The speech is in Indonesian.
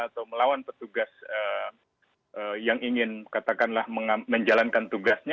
atau melawan petugas yang ingin katakanlah menjalankan tugasnya